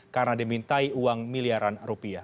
karena dimintai uang miliaran rupiah